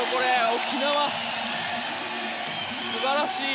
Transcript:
沖縄、素晴らしい。